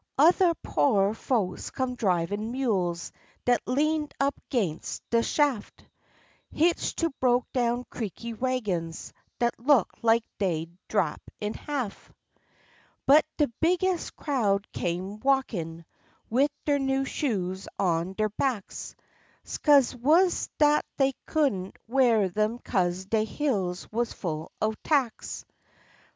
Othah po'rer folks come drivin' mules dat leaned up 'ginst de shaf', Hitched to broke down, creaky wagons dat looked like dey'd drap in half. But de bigges' crowd come walkin', wid der new shoes on der backs; 'Scuse wuz dat dey couldn't weah em 'cause de heels wuz full o' tacks.